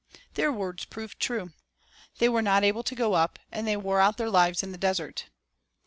3 Their words proved true. They were not able to go up, and they wore out their lives in the desert.